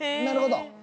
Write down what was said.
なるほど。